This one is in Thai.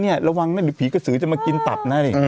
เนี่ยระวังนะผีกสือจะมากินตับน่ะ